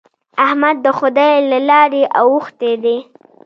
احمد د خدای له لارې اوښتی دی.